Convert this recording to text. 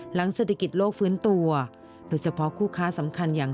เศรษฐกิจโลกฟื้นตัวโดยเฉพาะคู่ค้าสำคัญอย่าง